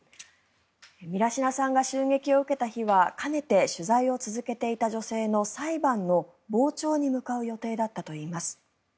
ミラシナさんが襲撃を受けた日はかねて取材を続けていた女性の裁判の傍聴に向かう予定だったといいます。